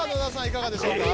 いかがでしょうか？